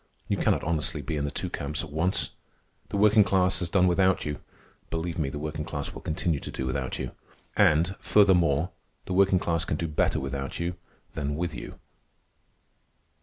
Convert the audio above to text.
You cannot honestly be in the two camps at once. The working class has done without you. Believe me, the working class will continue to do without you. And, furthermore, the working class can do better without you than with you."